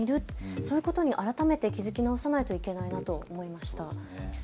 そういうことに改めて気付き直さなきゃいけないなと思いました。